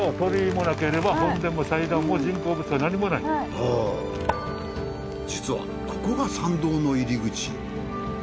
ほう実はここが参道の入り口。